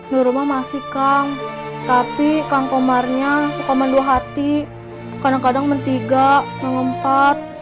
nurmah masih kang tapi kang komarnya suka mendua hati kadang kadang mentiga mengempat